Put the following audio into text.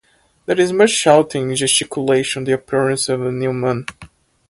There is much shouting and gesticulation on the appearance of a new moon.